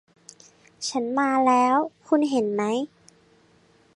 ฉันมาแล้ว คุณเห็นไหม